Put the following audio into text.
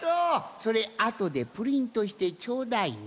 それあとでプリントしてちょうだいね。